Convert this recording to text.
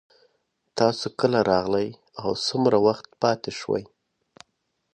تاسو کله راغلئ او څومره وخت پاتې شوئ